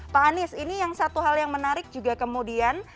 pak anies ini yang satu hal yang menarik juga kemudian